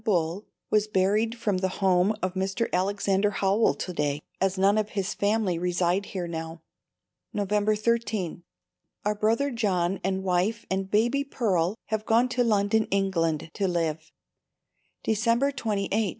Bull was buried from the home of Mr. Alexander Howell to day, as none of his family reside here now. November 13. Our brother John and wife and baby Pearl have gone to London, England, to live. December 28.